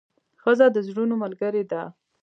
ښځه د زړونو ملګرې ده.